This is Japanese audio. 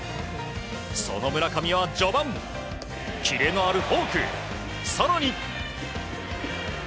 その村上は序盤キレのあるフォーク、更に。